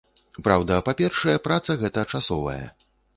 Праўда, па-першае, праца гэта часовая.